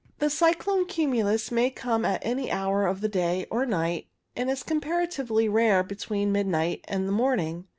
The cyclone cumulus may come at any hour of the day or night, though comparatively rare between midnight and the morning.